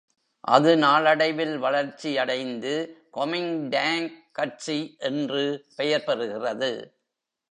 அது நாளடைவில் வளர்ச்சியடைந்து கொமிங்டாங் கட்சி என்று பெயர் பெறுகிறது.